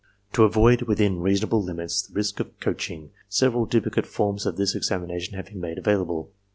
To avoid, within reasonable limits, the risk of coaching, several duplicate forms of this examination have been made available.